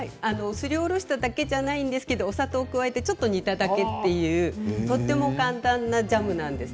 すりおろしただけではないんですけれどお砂糖を加えてちょっと煮ただけという簡単なジャムです。